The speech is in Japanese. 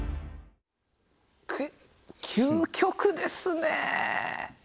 究極ですねえ。